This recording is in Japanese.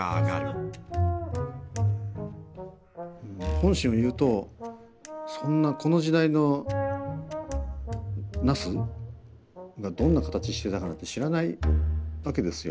本心を言うとそんなこの時代のナスがどんな形してたかなんて知らないわけですよ。